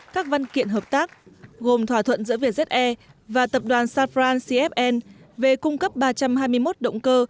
các văn kiện hợp tác gồm thỏa thuận giữa vj và tập đoàn safran cfn về cung cấp ba trăm hai mươi một động cơ